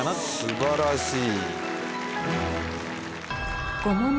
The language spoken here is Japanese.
素晴らしい。